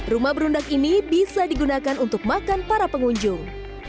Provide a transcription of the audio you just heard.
rumah berundak ini bisa digunakan untuk makan para pengunjung